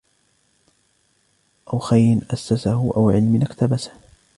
أَوْ خَيْرٍ أَسَّسَهُ أَوْ عِلْمٍ اقْتَبَسَهُ